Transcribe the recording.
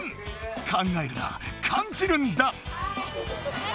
考えるな感じるんだ！